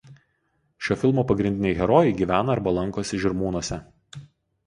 Šio filmo pagrindiniai herojai gyvena arba lankosi Žirmūnuose.